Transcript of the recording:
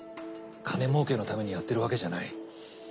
金もうけのためにやってるわけじゃない。